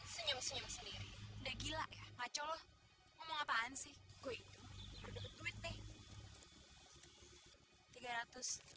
senyum senyum sendiri udah gila ngaco lo ngomong apaan sih gue itu